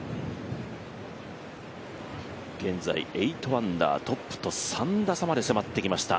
現在８アンダー、トップと３打差まで迫ってきました